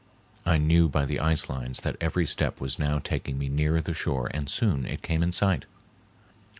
I knew by the ice lines that every step was now taking me nearer the shore and soon it came in sight.